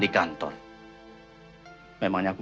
kita telah berpijak